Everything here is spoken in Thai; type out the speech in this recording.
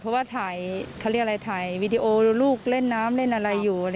เพราะว่าถ่ายวิดีโอลูกเล่นน้ำเล่นอะไรอยู่